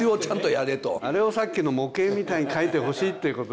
あれをさっきの模型みたいに描いてほしいということでしょうね。